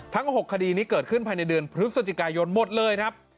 ๖คดีนี้เกิดขึ้นภายในเดือนพฤศจิกายนหมดเลยครับ